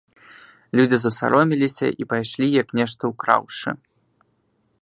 Людзі засароміліся і пайшлі, як нешта ўкраўшы.